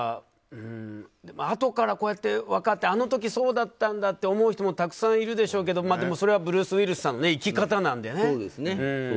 でも、あとからこうして分かってあの時そうだったんだって思う人もたくさんいるでしょうけどでも、それはブルース・ウィリスさんの生き方なのでね。